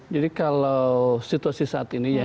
jadi kalau situasi saat ini